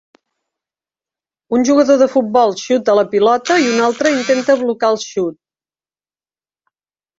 Un jugador de futbol xuta la pilota i un altre intenta blocar el xut